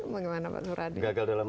bagaimana pak nuradi gagal dalam